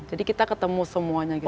jadi kita ketemu semuanya gitu